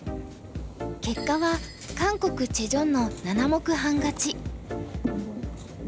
結果は韓国チェ・ジョンの７目半勝ち。